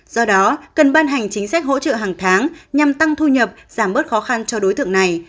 do đó cần ban hành chính sách hỗ trợ hàng tháng nhằm tăng thu nhập giảm bớt khó khăn cho đối tượng này